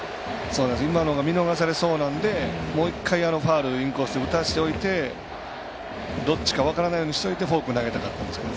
今のが見逃されそうなのでもう１回インコースで打たせておいてどっちか分からないようにしておいてフォーク投げたかったんですけど。